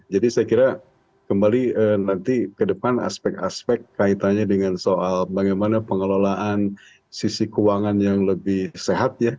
jadi saya kira kembali nanti ke depan aspek aspek kaitannya dengan soal bagaimana pengelolaan sisi keuangan yang lebih sehat ya